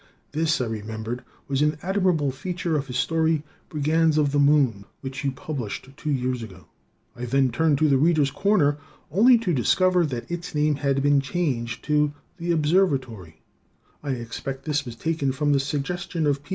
This, I remembered, was an admirable feature in his story "Brigands of the Moon," which you published two years ago. I then turned to "The Readers' Corner" only to discover that its name had been changed to "The Observatory." (I expect this name was taken from the suggestion of P.